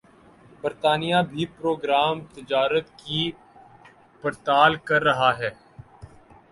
برطانیہ بھِی پروگرام تجارت کی پڑتال کر رہا ہے